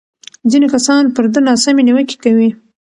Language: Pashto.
ځینې کسان پر ده ناسمې نیوکې کوي.